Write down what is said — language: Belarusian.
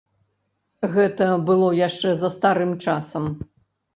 Гэта было яшчэ за старым часам.